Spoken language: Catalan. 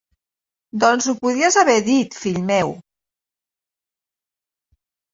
Doncs ho podies haver dit, fill meu!